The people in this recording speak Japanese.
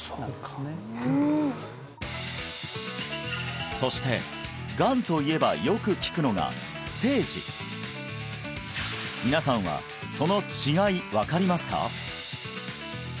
そうかうんそしてがんといえばよく聞くのが皆さんはその違い分かりますか？